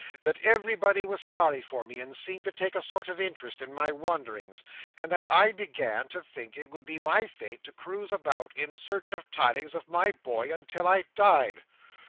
That everyone was sorry for me, and seemed to take a sort of interest in my wanderings; and that I began to think it would be my fate to cruise about in search of tidings of my boy, until I died."